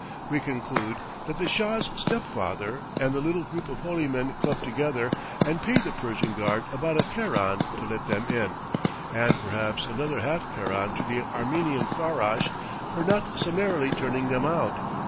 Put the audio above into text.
We conclude that the Shah's step father and the little group of holy men clubbed together and paid the Persian guard about a keran to let them in, and perhaps another half keran to the Armenian farrash for not summarily turning them out.